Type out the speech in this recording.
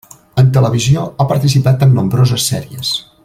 En televisió ha participat en nombroses sèries.